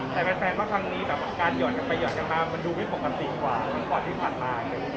แต่แม่แฟนว่าครั้งนี้การหย่อนกันไปหย่อนกันมามันดูไม่ปกติกว่า